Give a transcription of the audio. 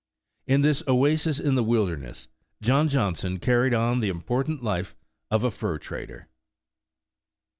In this oasis in the wilder ness, John Johnson carried on the important life of a fur trader.